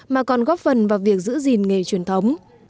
mà còn góp phần vào việc giữ gìn nghề truyền thống